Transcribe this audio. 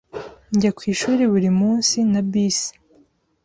Njya ku ishuri buri munsi na bisi. )